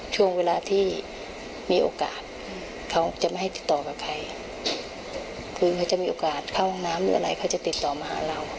ช่วงเวลาที่มีโอกาสเค้าจะไม่ให้ติดต่อกับใคร